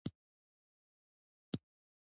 هندوکش د افغانستان د ځایي اقتصادونو بنسټ دی.